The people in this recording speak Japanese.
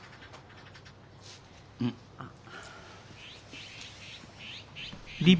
うん！あっ。